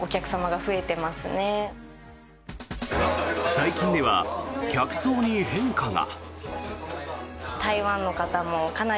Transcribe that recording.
最近では、客層に変化が。